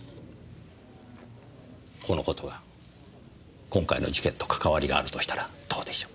この事が今回の事件とかかわりがあるとしたらどうでしょう。